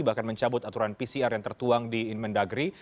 bahkan mencabut aturan pcr yang tertuang di inmendagri